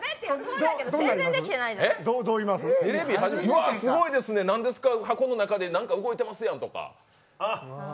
うわあ、すごいですね、何か箱の中でなんか動いてますやん！とか。